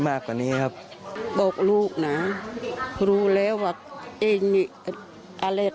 มากกว่านี้ครับบอกลูกนะรู้แล้วว่าเองมีอะไร